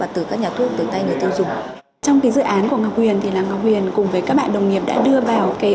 theo dõi tình trạng giúp giảm chi phí và nhân lực